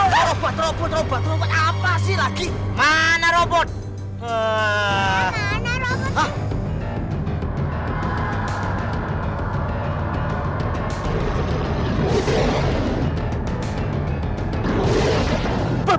halo telepasi tempat dokter om namal